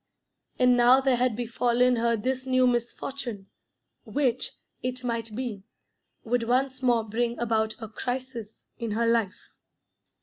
And now there had befallen her this new misfortune, which, it might be, would once more bring about a crisis in her life.